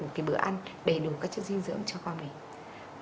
một cái bữa ăn đầy đủ các chất dinh dưỡng cho con mình